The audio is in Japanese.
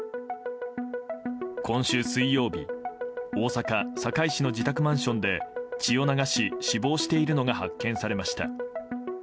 今週水曜日大阪・堺市の自宅マンションで血を流し死亡しているのが発見されました。